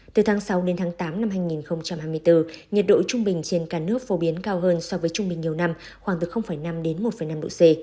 từ tháng sáu đến tháng tám năm hai nghìn hai mươi bốn nhiệt độ trung bình trên cả nước phổ biến cao hơn so với trung bình nhiều năm khoảng từ năm đến một năm độ c